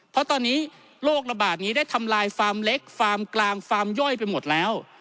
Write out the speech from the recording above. เพราะตอนนี้โรคระบาดนี้ได้ทำลายฟาร์มเล็กฟาร์มกลางฟาร์มย่อยไปหมดแล้ว